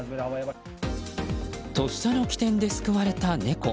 とっさの機転で救われた猫。